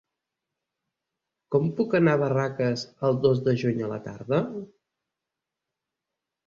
Com puc anar a Barraques el dos de juny a la tarda?